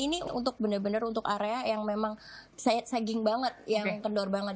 ini untuk benar benar untuk area yang memang saya saging banget yang kendor banget